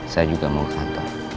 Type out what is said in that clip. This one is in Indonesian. saya juga mau makan